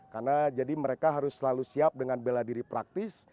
karena jadi mereka harus selalu siap dengan bela diri praktis